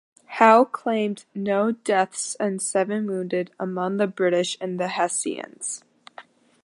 Howe claimed no deaths and seven wounded among the British and Hessians.